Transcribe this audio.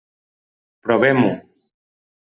Provem-ho.